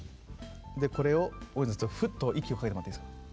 でこれを大泉さんふっと息をかけてもらっていいですか？